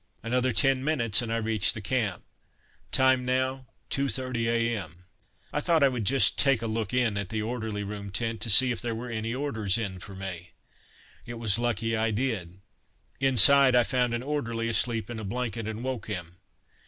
Another ten minutes and I reached the Camp. Time now 2.30 a.m. I thought I would just take a look in at the Orderly Room tent to see if there were any orders in for me. It was lucky I did. Inside I found an orderly asleep in a blanket, and woke him.